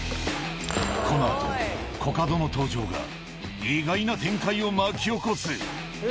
このあと、コカドの登場が、意外な展開を巻き起こす。